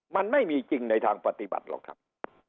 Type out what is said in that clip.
มันไม่มีจริงในทางปฏิบัติหรอกครับ